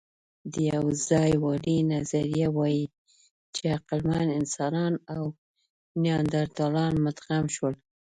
د یوځایوالي نظریه وايي، چې عقلمن انسانان او نیاندرتالان مدغم شول.